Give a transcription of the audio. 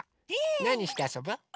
なにしてあそぶ？